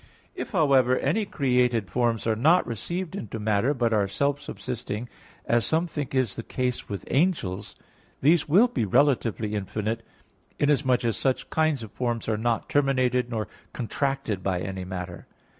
If, however, any created forms are not received into matter, but are self subsisting, as some think is the case with angels, these will be relatively infinite, inasmuch as such kinds of forms are not terminated, nor contracted by any matter.